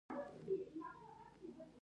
الاسکا خلیج بل لوی خلیج دی.